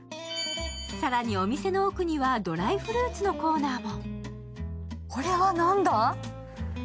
更にお店の奥にはドライフルーツのコーナーも。